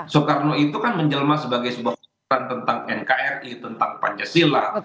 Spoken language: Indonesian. soekarno itu kan menjelma sebagai sebuah keputusan tentang nkri tentang pancasila